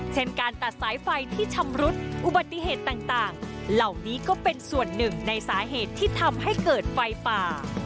เช่นการตัดสายไฟที่ชำรุดอุบัติเหตุต่างเหล่านี้ก็เป็นส่วนหนึ่งในสาเหตุที่ทำให้เกิดไฟป่า